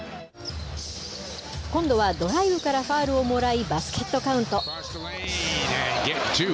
今度はドライブからファウルをもらいバスケットカウント。